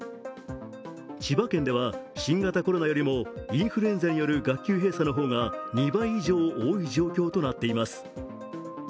千葉県では新型コロナよりもインフルエンザによる学級閉鎖の方が２倍以上多い状況となっています。